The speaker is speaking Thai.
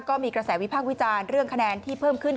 ก็มีกระแสวิพากษ์วิจารณ์เรื่องคะแนนที่เพิ่มขึ้น